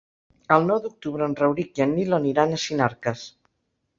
El nou d'octubre en Rauric i en Nil aniran a Sinarques.